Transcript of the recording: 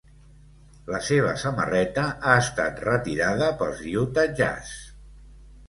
La seva samarreta ha estat retirada pels Utah Jazz.